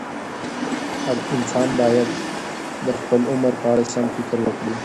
انسانان باید د خپل عمر په اړه سم فکر وکړي.